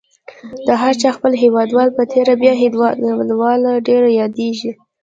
د هر چا خپل هیوادوال په تېره بیا هیوادواله ډېره یادیږي.